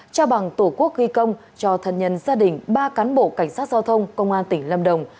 trao bằng tổ quốc ghi công cho thân nhân gia đình ba cán bộ cảnh sát giao thông công an tỉnh lâm đồng